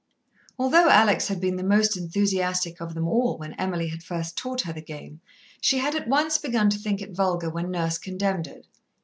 Although Alex had been the most enthusiastic of them all when Emily had first taught her the game, she had at once begun to think it vulgar when Nurse condemned it.